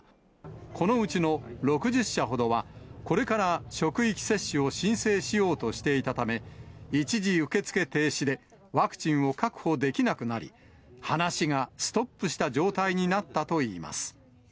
このうちの６０社ほどは、これから職域接種を申請しようとしていたため、一時受け付け停止で、ワクチンを確保できなくなり、話がストップした状態になったといいます。